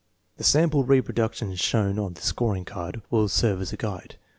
The sample reproductions shown on the scoring card will serve as a guide.